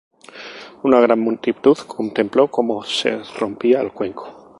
Una gran multitud contempló cómo se rompía el cuenco.